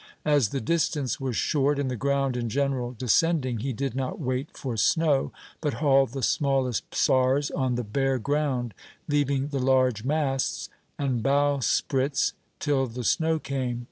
As the distance was short, and the ground in general descending, he did not wait for snow, but hauled the smallest spars on the bare ground, leaving the large masts and bowsprits till the snow came.